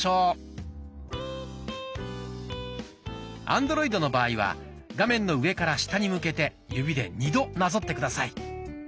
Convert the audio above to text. アンドロイドの場合は画面の上から下に向けて指で２度なぞって下さい。